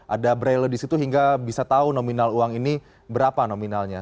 ada braille di situ hingga bisa tahu nominal uang ini berapa nominalnya